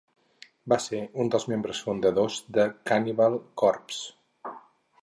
Va ser un dels membres fundadors de Cannibal Corpse.